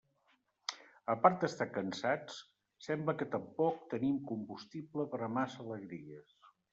A part d'estar cansats, sembla que tampoc tenim combustible per a massa alegries.